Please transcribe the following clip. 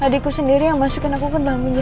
adikku sendiri yang masukin aku ke dalam penjara